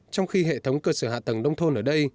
trong khi hệ thống cơ sở hạ tầng nông thôn ở đây